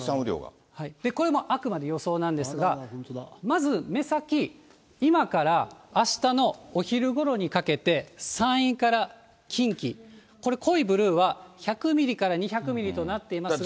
これもあくまで予想なんですが、まず、目先、今からあしたのお昼ごろにかけて山陰から近畿、これ、濃いブルーは１００ミリから２００ミリとなっていますが。